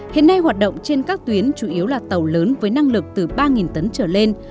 hiện nay hoạt động trên các tuyến chủ yếu là tàu lớn với năng lực từ ba tấn trở lên